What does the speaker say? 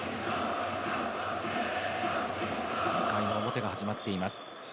２回の表が始まっています。